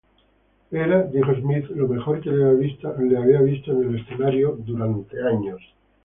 Era, dijo Smith: "lo mejor que le había visto en el escenario durante años".